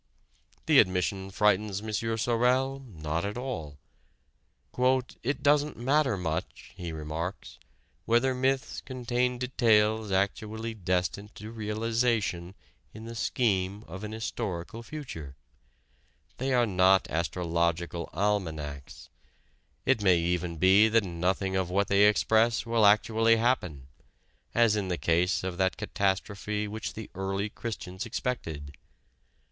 The admission frightens M. Sorel not at all. "It doesn't matter much," he remarks, "whether myths contain details actually destined to realization in the scheme of an historical future; they are not astrological almanacks; it may even be that nothing of what they express will actually happen as in the case of that catastrophe which the early Christians expected.